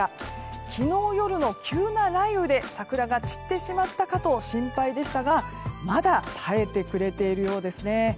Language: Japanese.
昨日夜の急な雷雨で桜が散ってしまったかと心配でしたが、まだ耐えてくれているようですね。